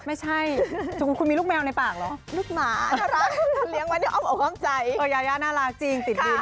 ไม่ใช่คุณมีลูกแมวในปากหรือ